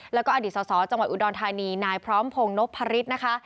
แล้วก็อดีตสอจังหวัดอุดรธานีนายพร้อมพงศ์นพฤษนะคะ